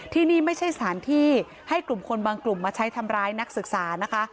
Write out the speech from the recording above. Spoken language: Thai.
ที่นี่ไม่ใช่สถานที่ให้กลุ่มคนบางกลุ่มมาใช้ทำร้ายนักศึกษานะคะ